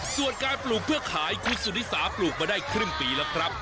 ส่วนการปลูกเพื่อขายคุณสุนิสาปลูกมาได้ครึ่งปีแล้วครับ